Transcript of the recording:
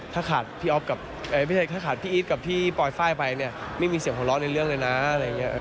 ถ้าขาดพี่อิทธิ์กับพี่ปลอยไฟล์ไปเนี่ยไม่มีเสียงหัวร้อนในเรื่องเลยนะอะไรอย่างเงี้ย